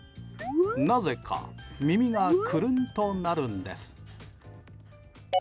なぜか、耳がくるんとなるんです。